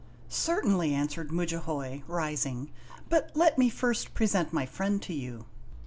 "Certainly," answered Mudjahoy, rising; "but let me first pre sent my friend to you."